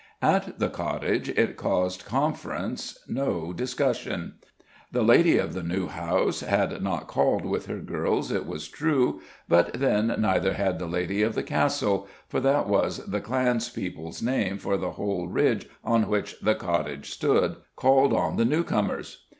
At the cottage it caused conference, no discussion. The lady of the New House had not called with her girls, it was true; but then neither had the lady of the castle for that was the clanspeople's name for the whole ridge on which the cottage stood called on the new comers!